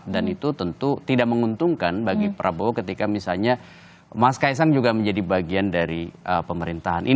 itu tentu tidak menguntungkan bagi prabowo ketika misalnya mas kaisang juga menjadi bagian dari pemerintahan ini